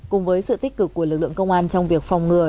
cùng với sự tích cực của lực lượng công an trong việc phòng ngừa